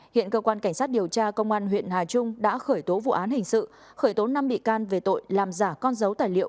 hiện cơ quan cảnh sát điều tra công an huyện hà trung đã khởi tố vụ án hình sự khởi tố năm bị can về tội làm giả con dấu tài liệu